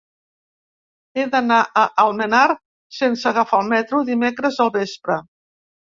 He d'anar a Almenar sense agafar el metro dimecres al vespre.